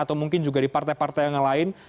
atau mungkin juga di partai partai yang lain